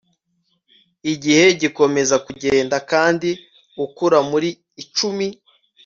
igihe gikomeza kugenda, kandi ukura muri icumi